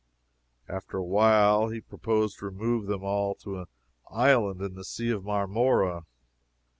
After a while, he proposed to remove them all to an island in the Sea of Marmora.